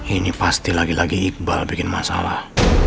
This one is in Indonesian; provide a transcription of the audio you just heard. ini pasti lagi lagi iqbal bikin masalah